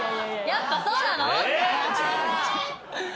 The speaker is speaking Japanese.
やっぱそうなの？